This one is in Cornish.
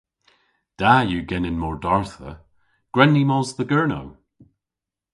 Da yw genen mordardha. Gwren ni mos dhe Gernow!